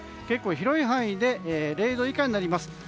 結構広い範囲で０度以下になります。